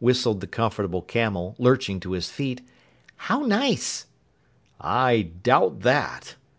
whistled the Comfortable Camel, lurching to his feet. "How nice!" "I doubt that!"